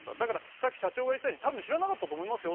さっき社長が言ってたように多分知らなかったと思いますよ。